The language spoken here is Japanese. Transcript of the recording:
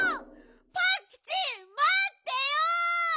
パンキチまってよ！